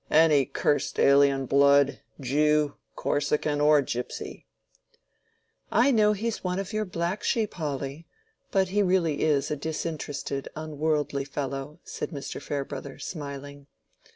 "Any cursed alien blood, Jew, Corsican, or Gypsy." "I know he's one of your black sheep, Hawley. But he is really a disinterested, unworldly fellow," said Mr. Farebrother, smiling.